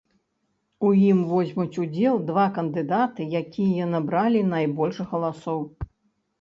У ім возьмуць удзел два кандыдаты, якія набралі найбольш галасоў.